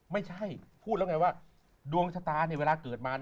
ไม่ใช่พูดแล้วไงว่าดวงชะตาเวลาเกิดมา